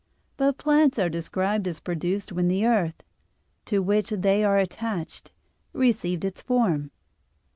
But plants are described as produced when the earth, to which they are attached, received its form.